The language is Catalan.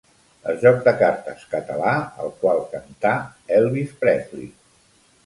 El joc de cartes català al qual cantà Elvis Presley.